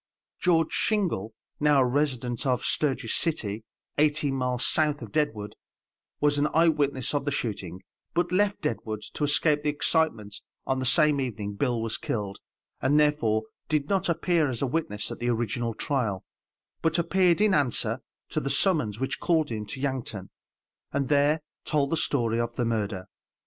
George Shingle, now a resident of Sturgis City, eighteen miles south of Deadwood, was an eye witness of the shooting, but left Deadwood to escape the excitement on the same evening Bill was killed, and therefore did not appear as a witness at the original trial, but appeared in answer to the summons which called him to Yankton, and there told the story of the murder.